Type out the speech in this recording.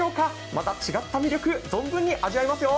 また違った魅力存分に味わえますよ！